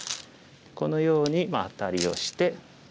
このようにアタリをして。